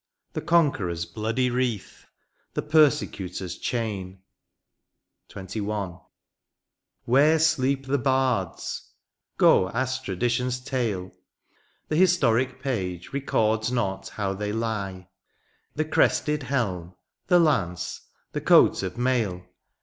The conqueror's bloody wreath, the persecutor's chain. XXL Where sleep the bards ? Go ask tradition^s tale : The historic page records not how they lie ; The crested hehn, the lance, the coat of mail.